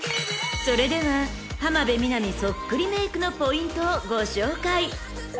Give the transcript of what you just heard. ［それでは浜辺美波そっくりメークのポイントをご紹介］